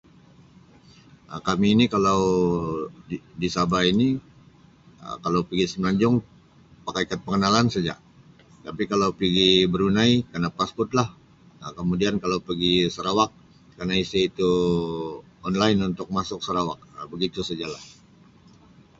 "Kami ini kalau di -di Sabah ini Um kalau pigi Semenanjung pakai kad pengenalan saja tapi kalau pigi Brunei kena ""passport"" lah Um kemudian kalau pigi Sarawak kena isi tu ""online"" untuk masuk Sarawak Um begitu sajalah."